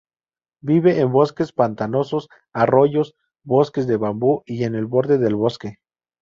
Vive en bosques pantanosos, arroyos, bosques de bambú y en el borde del bosque.